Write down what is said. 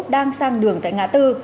đang sang đường tại ngã tư